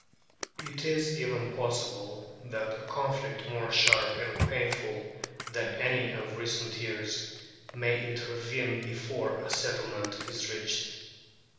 It is even possible that a conflict more sharp and painful than any of recent years may intervene before a settlement is reached.